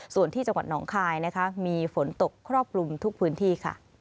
ส่วนที่จังหวัดหนองคายนะคะมีฝนตกครอบคลุมทุกพื้นที่ค่ะ